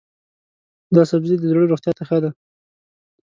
دا سبزی د زړه روغتیا ته ښه دی.